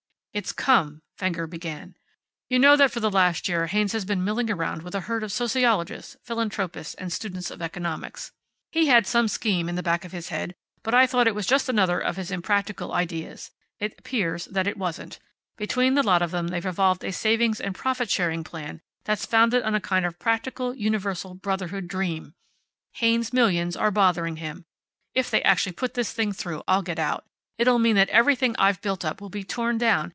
"It's come," Fenger began. "You know that for the last year Haynes has been milling around with a herd of sociologists, philanthropists, and students of economics. He had some scheme in the back of his head, but I thought it was just another of his impractical ideas. It appears that it wasn't. Between the lot of them they've evolved a savings and profit sharing plan that's founded on a kind of practical universal brotherhood dream. Haynes's millions are bothering him. If they actually put this thing through I'll get out. It'll mean that everything I've built up will be torn down.